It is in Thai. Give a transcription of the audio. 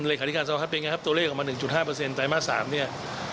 หลายการสภาพ้าเป็นไงครับตัวเลขออกมาหนึ่งจุดห้าเปอร์เซ็นต์แต่มาสามเนี้ย